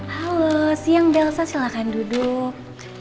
halo siang bel saya silahkan duduk